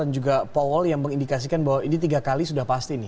dan juga powell yang mengindikasikan bahwa ini tiga kali sudah pasti nih